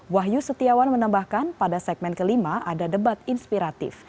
wahyu setiawan menambahkan pada segmen kelima ada debat inspiratif